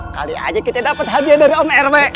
kali aja kita dapat hadiah dari om rw